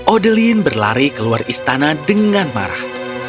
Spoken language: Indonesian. odeline berlari keluar istana dengan marah